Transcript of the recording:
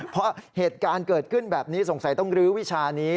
เพราะเหตุการณ์เกิดขึ้นแบบนี้สงสัยต้องลื้อวิชานี้